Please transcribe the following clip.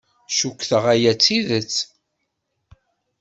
Cukkteɣ aya d tidet.